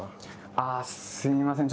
あすみません。